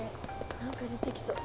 何か出てきそう。